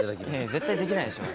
絶対できないでしょ。